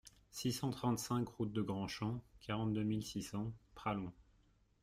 six cent trente-cinq route de Grandchamp, quarante-deux mille six cents Pralong